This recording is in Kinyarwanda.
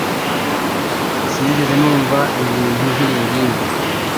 Sinigeze numva ibintu nkiri ingimbi.